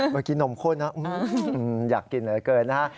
เมื่อกี้นมข้นนะอยากกินเหลือเกินนะฮะ